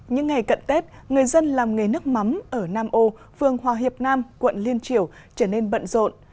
những ngày cận tết người dân làm nghề nước mắm ở nam ô phường hòa hiệp nam quận liên triều trở nên bận rộn